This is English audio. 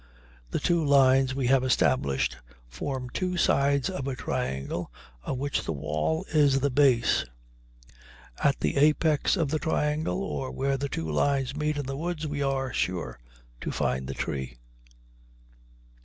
The two lines we have established form two sides of a triangle of which the wall is the base; at the apex of the triangle, or where the two lines meet in the woods, we are sure to find the tree.